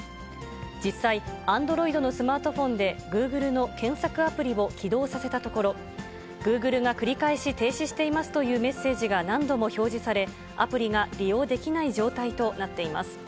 実際、アンドロイドのスマートフォンで、グーグルの検索アプリを起動させたところ、グーグルが繰り返し停止していますというメッセージが何度も表示され、アプリが利用できない状態となっています。